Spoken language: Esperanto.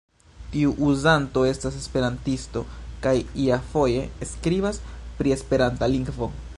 Tiu uzanto estas esperantisto kaj iafoje skribas pri esperanta lingvo.